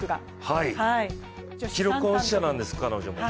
記録保持者なんです、彼女も。